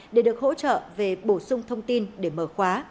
để được hỗ trợ về bổ sung thông tin để mở khóa